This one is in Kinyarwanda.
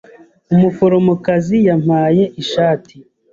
Umuforomokazi yampaye ishati.